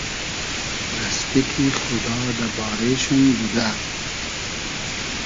رئستی کی خودا دۂ بارې شوم بودۂ